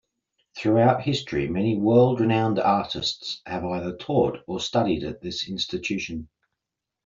Throughout history, many world-renowned artists have either taught or studied at this institution.